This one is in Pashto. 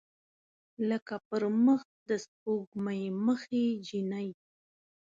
لکه پر مخ د سپوږمۍ مخې جینۍ